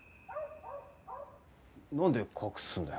なんで隠すんだよ。